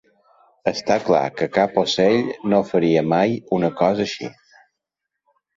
Està clar que cap ocell no faria mai una cosa així.